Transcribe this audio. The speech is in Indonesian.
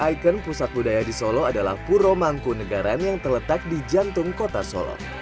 ikon pusat budaya di solo adalah puro mangku negara yang terletak di jantung kota solo